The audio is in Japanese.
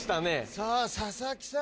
さあ佐々木さん